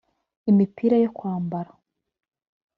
imipira yo kwambara